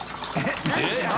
┐何？